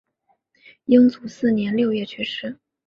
英祖四年六月去世。